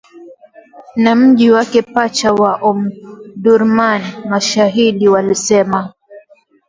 na mji wake pacha wa Omdurman, mashahidi walisema